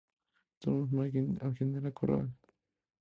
Thomas Manning al General Corral.